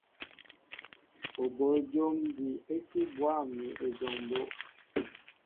Ó bol jǒm ji é tí bwâm ni ejɔŋ mbó'.